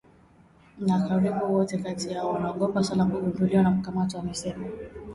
Na karibu wote kati yao wanaogopa sana kugunduliwa na kukamatwa amesema